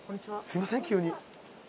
すみません急に。